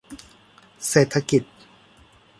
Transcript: เศรษฐกิจ